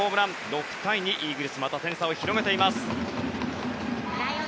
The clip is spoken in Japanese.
６対２イーグルス、また点差を広げています。